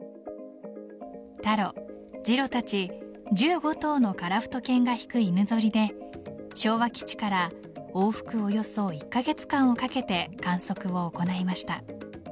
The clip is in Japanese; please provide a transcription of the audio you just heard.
タロ、ジロたち１５頭の樺太犬が引く犬ぞりで昭和基地からの往復およそ１カ月間をかけて観測を行いました。